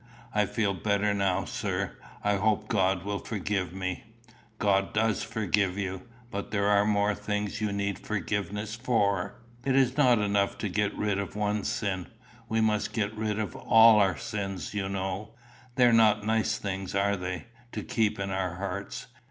"I feel better now, sir. I hope God will forgive me." "God does forgive you. But there are more things you need forgiveness for. It is not enough to get rid of one sin. We must get rid of all our sins, you know. They're not nice things, are they, to keep in our hearts?